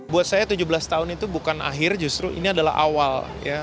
buat saya tujuh belas tahun itu bukan akhir justru ini adalah awal ya